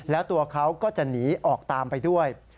แล้วตัวเขาก็จะหนีออกตามไปด้วย